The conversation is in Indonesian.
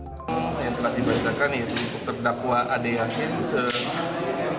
yang telah dibasarkan ini untuk terdakwa ade yasin